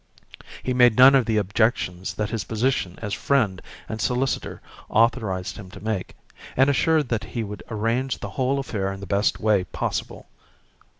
He made none of the objections that his position as friend and solicitor authorized him to make, and assured me that he would arrange the whole affair in the best way possible.